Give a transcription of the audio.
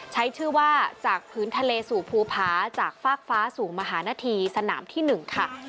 ใช้ชื่อว่าจากพื้นทะเลสู่ภูผาจากฟากฟ้าสู่มหานาธีสนามที่๑ค่ะ